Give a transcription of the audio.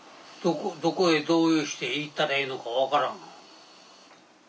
どこへどうして行ったらいいのか分からん。